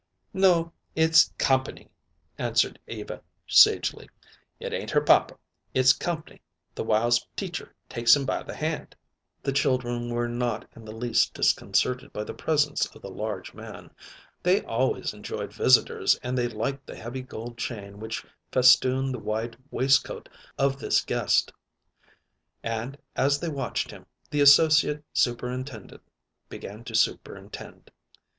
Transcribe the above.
"No. It's comp'ny," answered Eva sagely. "It ain't her papa. It's comp'ny the whiles Teacher takes him by the hand." The children were not in the least disconcerted by the presence of the large man. They always enjoyed visitors, and they liked the heavy gold chain which festooned the wide waistcoat of this guest; and, as they watched him, the Associate Superintendent began to superintend.